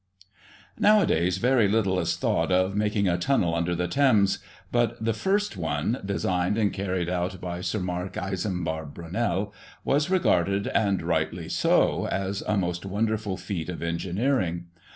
Nowadays very little is thought of making a tunnel under >the Thames, but the first one, designed and carried out by uSir Marc Isambard Brunei, was reg^ded, and rightly so, as a most wonderful feat of engineering.